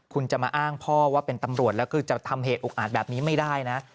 คุณจะมาอ้างพ่อว่าเป็นตำรวจแล้วคือจะทำเหตุอุกอาจแบบนี้ไม่ได้นะ